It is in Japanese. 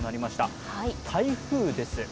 台風です。